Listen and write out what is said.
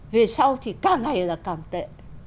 về sau thì càng ngày là càng tệ